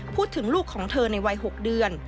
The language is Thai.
พูดถึงลูกของเธอในวัย๖เดือน